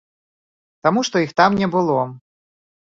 Таму што іх там не было!